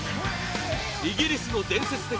イギリスの伝説的